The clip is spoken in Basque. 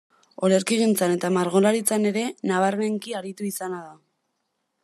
Olerkigintzan eta margolaritzan ere nabarmenki aritu izana da.